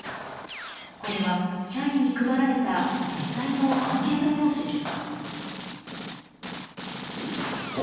これは社員に配られた実際のアンケート用紙です。